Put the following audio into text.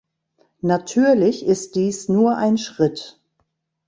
Natürlich ist dies nur ein Schritt.